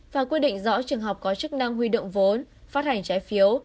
và quy định rõ trường học có chức năng huy động vốn phát hành trái phiếu